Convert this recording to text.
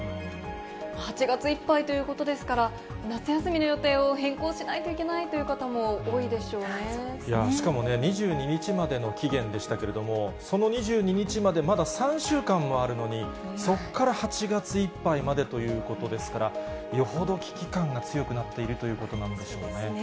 ８月いっぱいということですから、夏休みの予定を変更しないといけないという方も多いでしょしかもね、２２日までの期限でしたけれども、その２２日まで、まだ３週間もあるのに、そこから８月いっぱいまでということですから、よほど危機感が強くなっているということなんでしょうね。